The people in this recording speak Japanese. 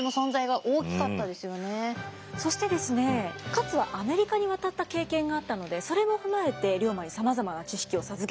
勝はアメリカに渡った経験があったのでそれも踏まえて龍馬にさまざまな知識を授けています。